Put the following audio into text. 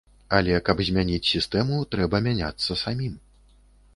Але каб змяніць сістэму, трэба мяняцца самім.